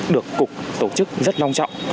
được cục tổ chức rất long trọng